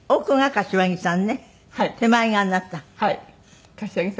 柏木さん